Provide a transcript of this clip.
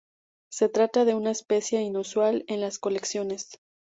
Se trata de una especie inusual en las colecciones.